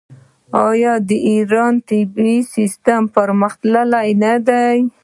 آیا د ایران طبي سیستم پرمختللی نه دی؟